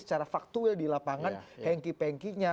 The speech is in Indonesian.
secara faktual di lapangan hengki pengkinya